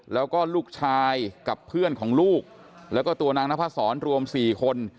แล้วก็ลูกชายกับเพื่อนของลูกแล้วก็ตัวนางนพศรรวม๔คน